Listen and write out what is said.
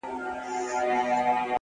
پوهه د راتلونکو پریکړو رڼا ده!.